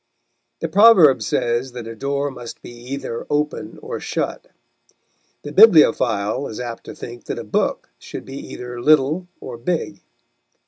The proverb says that a door must be either open or shut. The bibliophile is apt to think that a book should be either little or big.